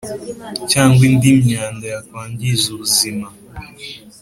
cyangwa indi myanda yakwangiza ubuzima